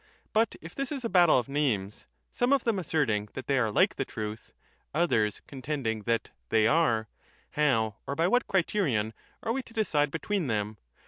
But if this is a battle of names, some of them assert ing that they are like the truth, others contending that they are, how or by what criterion are we to decide between them?